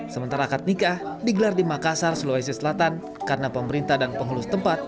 sementara akad nikah digelar di makassar sulawesi selatan karena pemerintah dan penghulu tempat